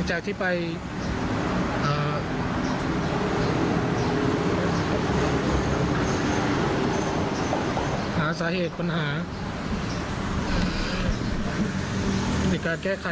หาสาเหตุปัญหาในการแก้ไข